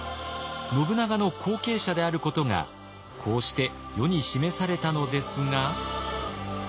信長の後継者であることがこうして世に示されたのですが。